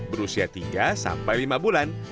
berusia tiga sampai lima bulan